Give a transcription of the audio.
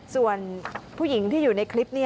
ส่วนผู้หญิงที่อยู่ในคลิปนี้